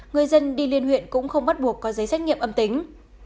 người dân đi liên huyện cũng không bắt buộc có giấy xét nghiệm âm tính